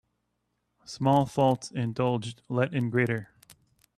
Small faults indulged let in greater.